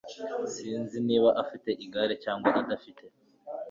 Sinzi niba afite igare cyangwa adafite.